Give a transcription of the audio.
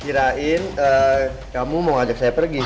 kirain kamu mau ajak saya pergi